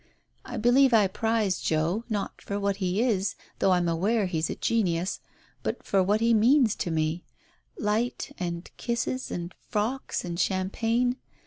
I believe I prize Joe, not for what he is, though I'm aware he's a genius, but for what he means to me — light and kisses and frocks and champagne.